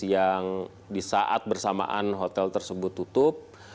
yang di saat bersamaan hotel tersebut tutup